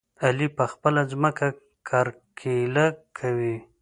علي په خپله ځمکه کرکيله کوي.